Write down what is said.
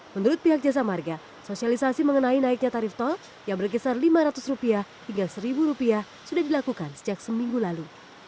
menurut pihak jasa marga sosialisasi mengenai naiknya tarif tol yang berkisar rp lima ratus hingga rp satu sudah dilakukan sejak seminggu lalu